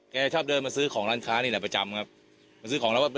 แกชอบเดินมาซื้อของร้านค้านี่แหละประจำครับมาซื้อของแล้วว่าเป็น